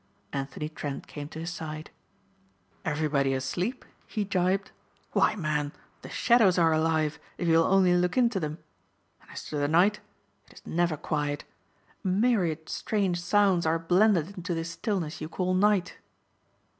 Anthony Trent came to his side. "Everybody asleep?" he gibed. "Why, man, the shadows are alive if you'll only look into them. And as to the night, it is never quiet. A myriad strange sounds are blended into this stillness you call night."